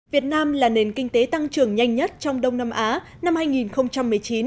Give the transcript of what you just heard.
việt nam là nền kinh tế tăng trưởng nhanh nhất trong đông nam á năm hai nghìn một mươi chín